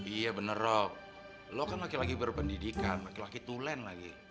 iya bener rob lo kan laki laki berpendidikan laki laki tulen lagi